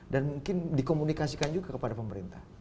dan mungkin dikomunikasikan juga kepada pemerintah